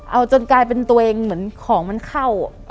เอาจนกลายเป็นตัวเองเหมือนของมันเข้า